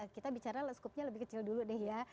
kita bicara leskopnya lebih kecil dulu deh ya